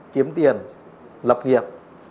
kiếm tiền lập nghiệp